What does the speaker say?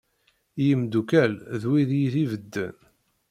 I yimddukal d wid yid-i bedden.